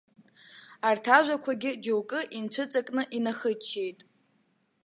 Арҭ ажәақәагьы џьоукы, инцәыҵакны инахыччеит.